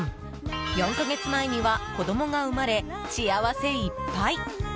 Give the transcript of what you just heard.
４か月前には子供が生まれ幸せいっぱい。